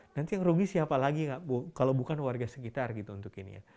nanti yang rugi siapa lagi kalau bukan warga sekitar gitu untuk ini ya